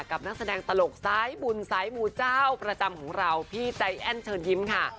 นักแสดงตลกซ้ายบุญสายมูเจ้าประจำของเราพี่ใจแอ้นเชิญยิ้มค่ะ